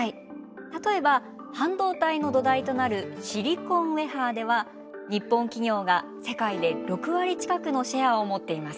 例えば半導体の土台となるシリコンウエハーでは日本企業が世界で６割近くのシェアを持っています。